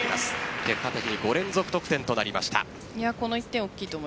結果的に５連続得点となりました。